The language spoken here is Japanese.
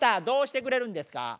どうしてくれるんですか？